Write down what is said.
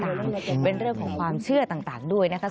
เป็นเรื่องของความเชื่อต่างด้วยนะคะ